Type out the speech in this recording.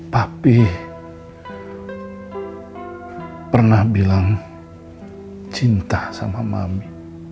tapi pernah bilang cinta sama mami